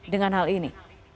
dengan hal ini